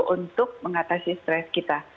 untuk mengatasi stress kita